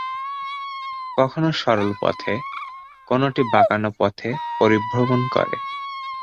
কখনো সরল পথে, কোনটি বাঁকানো পথে পরিভ্রমণ করে।